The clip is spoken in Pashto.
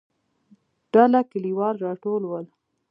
ډله کليوال راټول ول.